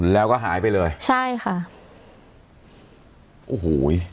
แล้วก็หายไปเลยใช่ค่ะโอ้โห